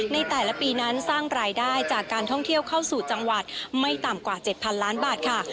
ในแต่ละปีนั้นสร้างรายได้จากการท่องเที่ยวเข้าสู่จังหวัดไม่ต่ำกว่า๗๐๐ล้านบาทค่ะ